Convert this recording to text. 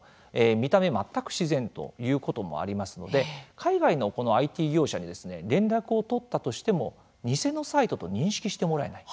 見た目、全く自然ということもありますので海外のＩＴ業者に連絡を取ったとしても偽のサイトと認識してもらえない。